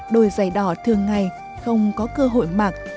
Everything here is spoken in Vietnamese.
đôi giày đỏ thường ngày không có cơ hội mặc